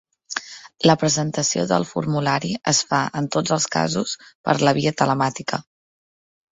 La presentació del formulari es fa en tots els casos per la via telemàtica.